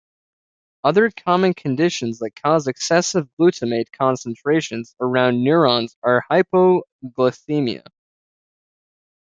Other common conditions that cause excessive glutamate concentrations around neurons are hypoglycemia.